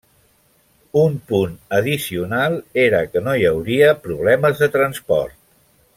Un punt addicional era que no hi hauria problemes de transport.